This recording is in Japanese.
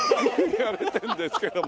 いわれてんですけども。